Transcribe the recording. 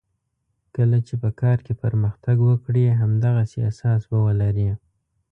کله چې په کار کې پرمختګ وکړې همدغسې احساس به ولرې.